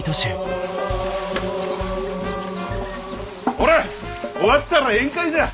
ほれ終わったら宴会じゃ！